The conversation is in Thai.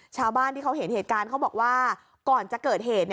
ชาวบ้านที่เขาเห็นเหตุการณ์เขาบอกว่าก่อนจะเกิดเหตุ